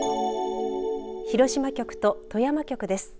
広島局と富山局です。